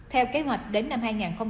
theo kế hoạch đến năm hai nghìn hai mươi